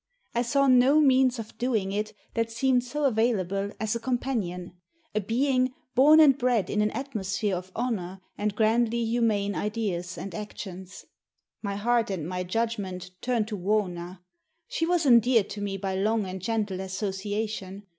I saw no means of doing it that seemed so available as a companion, a being, born and bred in an atmosphere of honor and grandly humane ideas and actions. My heart and my judgment turned to Wauna. She was endeared to me by long and gentle association.